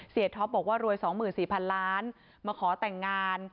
ท็อปบอกว่ารวย๒๔๐๐๐ล้านมาขอแต่งงาน